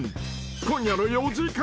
［今夜の４時間